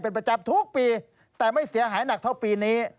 เป็นประจำทุกปีแต่ไม่เสียหายหนักเท่าปีนี้